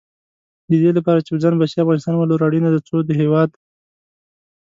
د دې لپاره چې په ځان بسیا افغانستان ولرو، اړینه ده څو د هېواد